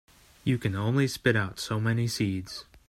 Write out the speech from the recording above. You can only spit out so many seeds.